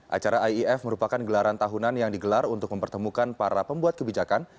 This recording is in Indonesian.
acara iif merupakan gelaran tahunan yang digelar untuk mempertemukan para pembuat kebijakan